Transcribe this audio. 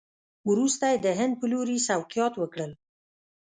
وروسته یې د هند په لوري سوقیات وکړل.